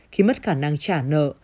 khi mất khả năng trả nợ